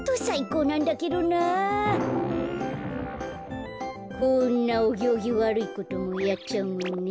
こんなおぎょうぎわるいこともやっちゃうもんね。